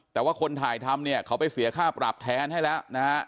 แต่ว่าคนถ่ายทำเนี่ยเขาไปเสียค่าปรับแทนให้แล้วนะฮะ